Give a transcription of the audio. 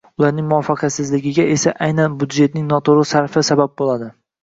ularning muvaffaqiyatsizligiga esa aynan byudjetning noto‘g‘ri sarfi sabab bo‘ladi.